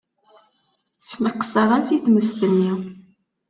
Sneqseɣ-as i tmes-nni.